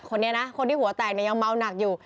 คนนี้นะคนที่หัวแตกเนี่ยยังเมาหนักอยู่